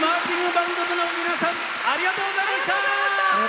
バンド部の皆さんありがとうございました。